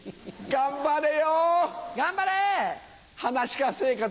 頑張れ！